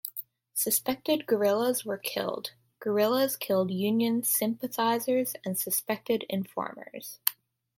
Suspected guerrillas were killed; guerrillas killed Union sympathizers and suspected informers.